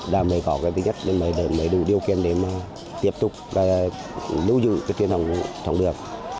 đã mới có cái thứ nhất mới đủ điều kiện để tiếp tục lưu dự cái tuyên tổng đảo